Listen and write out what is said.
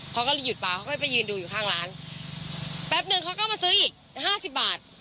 เขาก็เลยหยุดปลาเขาก็ไปยืนดูอยู่ข้างร้านแป๊บนึงเขาก็มาซื้ออีกห้าสิบบาท